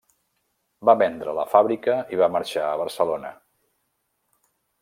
Va vendre la fàbrica i va marxar a Barcelona.